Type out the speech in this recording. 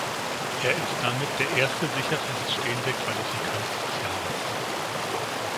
Er ist damit der erste sicher feststehende Qualifikant des Jahres.